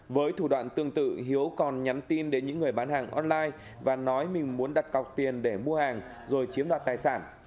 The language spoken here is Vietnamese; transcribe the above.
với thủ đoạn tương tự hiếu còn nhắn tin đến những người bán hàng online và nói mình muốn đặt cọc tiền để mua hàng rồi chiếm đoạt tài sản